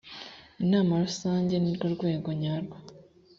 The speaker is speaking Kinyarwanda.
inama rusange ni rwo rwego nyarwo .